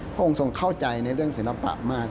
พระองค์ทรงเข้าใจในเรื่องศิลปะมาก